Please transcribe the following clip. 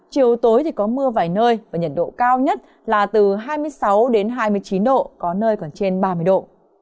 chiều tối thì có mưa vài nơi và nhiệt độ cao nhất là từ hai mươi sáu đến hai mươi chín độ có nơi còn trên ba mươi độ